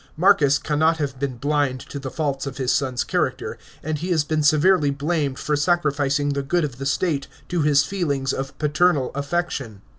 Marcus cannot have been blind to the faults of his son's character, and he has been severely blamed for sacrificing the good of the state to his feelings ot paternal affection.